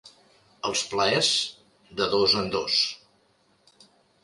Els plaers, de dos en dos